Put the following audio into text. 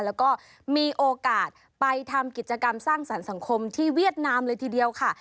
แล้วก็มีโอกาสไปทำกิจกรรมสร้างสรรค์สังคมที่เวียดนามเลยทีเดียวค่ะ